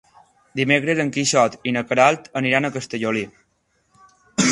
Dimecres en Quixot i na Queralt aniran a Castellolí.